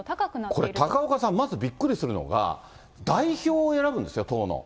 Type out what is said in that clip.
これ、高岡さん、まずびっくりするのが、代表を選ぶんですよ、党の。